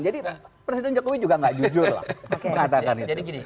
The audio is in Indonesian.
jadi presiden jokowi juga tidak jujur